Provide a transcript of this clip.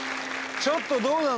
ちょっとどうなの？